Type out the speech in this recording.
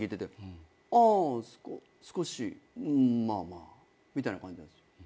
ああすこ少しうんまあまあみたいな感じなんですよ。